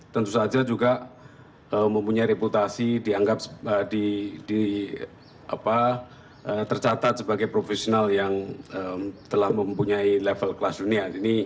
tentu saja juga mempunyai reputasi dianggap tercatat sebagai profesional yang telah mempunyai level kelas dunia